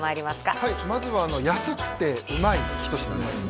はいまずは安くてうまい一品です